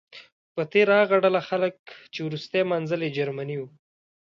په تیره هغه ډله خلک چې وروستی منزل یې جرمني و.